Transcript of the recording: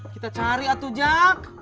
kita cari atu jak